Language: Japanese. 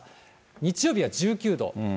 日曜日は１９度。